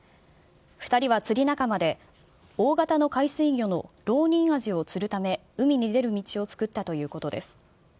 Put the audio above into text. ２人は釣り仲間で、大型の海水魚のロウニンアジを釣るため、海に出る道を作ったということです。